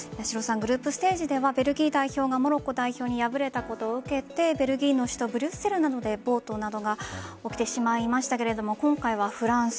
グループステージではベルギー代表がモロッコ代表に敗れたことを受けてベルギーの首都ブリュッセルなどで暴徒などが起きてしまいましたが今回はフランス。